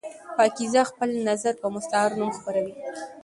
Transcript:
پاکیزه خپل نظر په مستعار نوم خپروي.